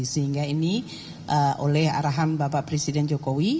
sehingga ini oleh arahan bapak presiden jokowi